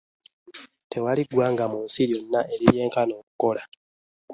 Tewali ggwanga mu nsi zonna eriryenkana okukola.